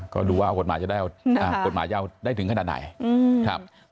ก็ดูว่ากฏหมายจะได้ถึงขนาดไหน